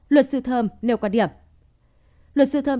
luật sư thơm nêu quan điểm